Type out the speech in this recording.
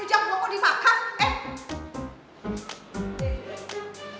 rujak buah kok dimakan